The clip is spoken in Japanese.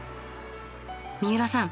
三浦さん